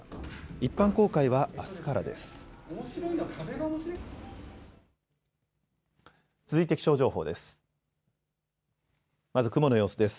一般公開はあすからです。